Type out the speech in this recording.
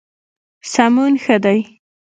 سمون ښه دی.